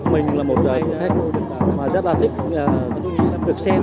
mình là một giới thiệu thích mà rất là thích được xem